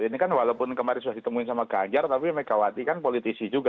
ini kan walaupun kemarin sudah ditemuin sama ganjar tapi megawati kan politisi juga